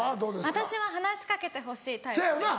私は話し掛けてほしいタイプです。